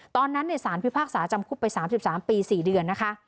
ตอนนั้นสารพิพากษาจำคุกไป๓๓ปี๔เดือนนะคะ